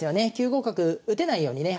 ９五角打てないようにね